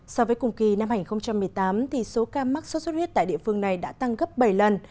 so với cùng kỳ năm hai nghìn một mươi tám số ca mắc sốt xuất huyết tại địa phương này đã tăng gấp bảy lần